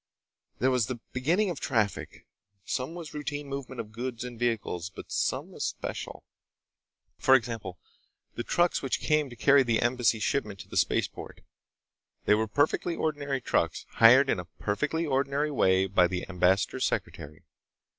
There was the beginning of traffic. Some was routine movement of goods and vehicles. But some was special. For example, the trucks which came to carry the Embassy shipment to the spaceport. They were perfectly ordinary trucks, hired in a perfectly ordinary way by the ambassador's secretary.